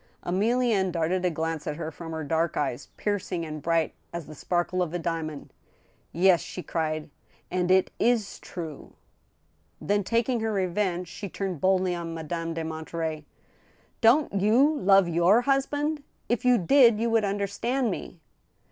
Emilienne darted a glance at her from her dark eyes, piercing and bright as the sparkle of a diamond. •* Yes," she cried ;" and it is true !" Then, taking her revenge, she turned boldly on Madame de Monterey. " \^ovL\you love your husband ? If you did, you would under stand me."